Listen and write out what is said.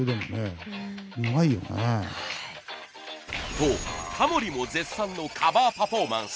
とタモリも絶賛のカバーパフォーマンス。